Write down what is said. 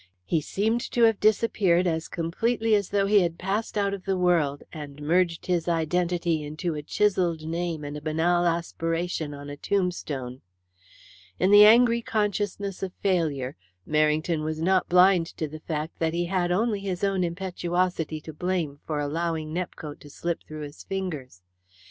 He seemed to have disappeared as completely as though he had passed out of the world and merged his identity into a chiselled name and a banal aspiration on a tombstone. In the angry consciousness of failure, Merrington was not blind to the fact that he had only his own impetuosity to blame for allowing Nepcote to slip through his fingers.